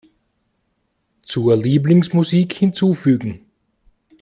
Zur Lieblingsmusik hinzufügen.